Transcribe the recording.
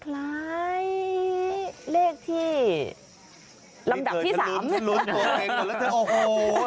นี่เลขที่ระมดับที่๓นะคะ